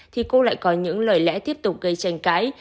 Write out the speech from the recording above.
thì cô lại có những lời lẽ tiếp tục gây tranh cãi